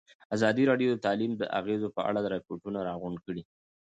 ازادي راډیو د تعلیم د اغېزو په اړه ریپوټونه راغونډ کړي.